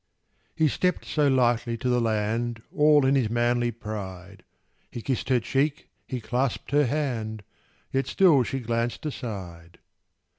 He stept so lightly to the land, All in his manly pride: He kissed her cheek, he clasped her hand; Yet still she glanced aside.